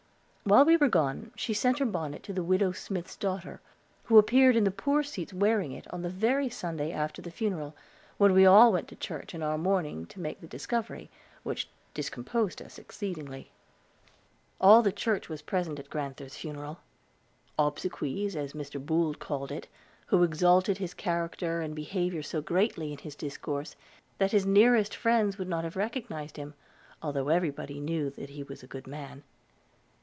While we were gone she sent her bonnet to the Widow Smith's daughter, who appeared in the Poor Seats wearing it, on the very Sunday after the funeral, when we all went to church in our mourning to make the discovery, which discomposed us exceedingly. All the church were present at grand'ther's funeral, obsequies, as Mr. Boold called it, who exalted his character and behavior so greatly in his discourse that his nearest friends would not have recognized him, although everybody knew that he was a good man.